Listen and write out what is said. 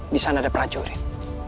disana ada prajurit